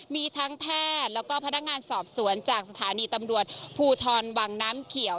มีทั้งแพทย์แล้วก็พนักงานสอบสวนจากสถานีตำรวจภูทรวังน้ำเขียว